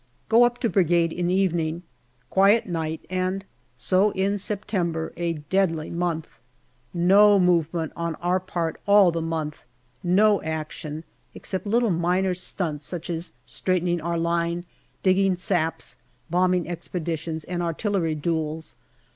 Go up to Brigade in evening. Quiet night, and so ends September, a deadly month. No movement on our part all the month : no action, except little mirior stunts such as straightening our line, digging saps, bombing expeditions, and artillery duels.